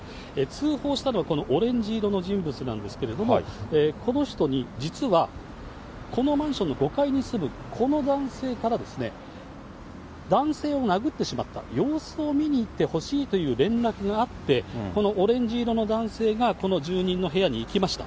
通報したのはこのオレンジ色の人物なんですけれども、この人に実は、このマンションの５階に住むこの男性からですね、男性を殴ってしまった、様子を見に行ってほしいという連絡があって、このオレンジ色の男性がこの住人の部屋に行きました。